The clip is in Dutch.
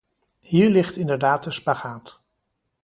Hier ligt inderdaad de spagaat.